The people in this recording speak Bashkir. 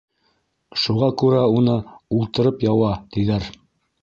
Шуға күрә уны: «Ултырып яуа», - тиҙәр.